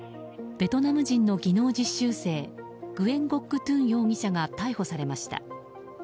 ベトナム人の技能実習生グエン・ゴック・トゥン容疑者が逮捕されました。